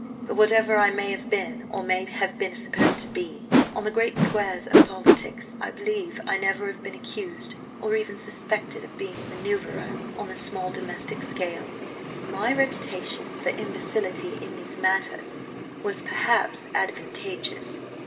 But whatever I may have been, or may have been supposed to be, on the great squares of politics, I believe I never have been accused or even suspected of being a manoeuvrer on the small domestic scale. "My reputation for imbecility in these matters was perhaps advantageous.